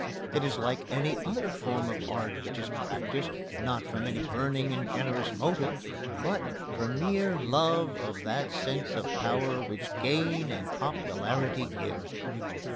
It is like any other form of art which is practised, not from any burning and generous motive, but for mere love of that sense of power which gain and popularity give.